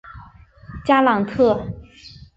加朗特。